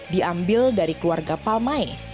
diambil dari keluarga palmae